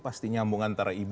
pasti nyambung antara ibu